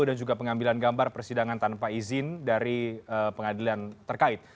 dan juga pengambilan gambar persidangan tanpa izin dari pengadilan terkait